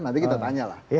nanti kita tanya lah